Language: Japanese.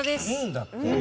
「ん」だって。